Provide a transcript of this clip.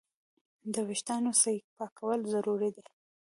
د وېښتیانو صحیح پاکوالی ضروري دی.